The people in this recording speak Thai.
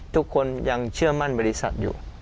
ทุกคนยังเชื่อมั่นบริษัทอยู่